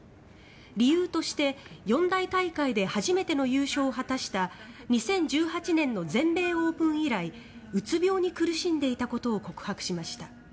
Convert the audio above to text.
理由として四大大会で初めての優勝を果たした２０１８年の全米オープン以来うつ病に苦しんでいたことを告白しました。